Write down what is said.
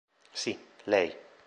Sì, Lei.